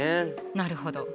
なるほど。